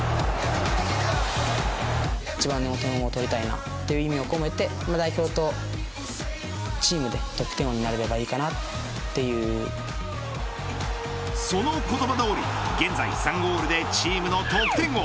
一番点を取りたいなという意味を込めて代表とチームで得点王にその言葉どおり現在３ゴールでチームの得点王。